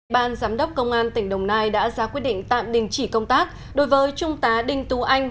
ban giám đốc công an tỉnh đồng nai đã ra quyết định tạm đình chỉ công tác đối với trung tá đinh tú anh